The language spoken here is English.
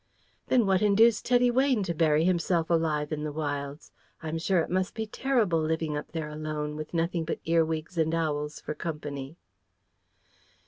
"Then what induced Teddy Weyne to bury himself alive in the wilds? I'm sure it must be terrible living up there alone, with nothing but earwigs and owls for company."